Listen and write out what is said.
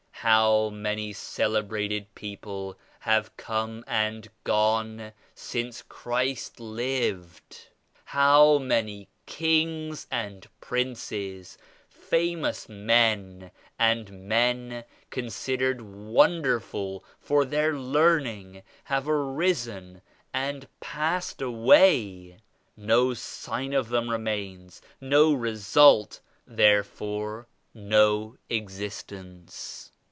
How many celebrated people have come and gone since Christ lived 1 How many kings and princes, famous men and men considered wonderful for their learning have arisen and passed away! No sign of them remains ; no result, therefore no existence.